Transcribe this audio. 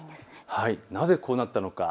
なぜこうなったのか。